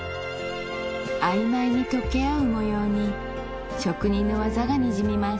曖昧に溶け合う模様に職人の技がにじみます